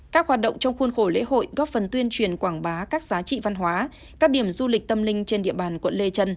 các hoạt động trong khuôn khổ lễ hội góp phần tuyên truyền quảng bá các giá trị văn hóa các điểm du lịch tâm linh trên địa bàn quận lê trân